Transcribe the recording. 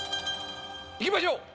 いきましょう。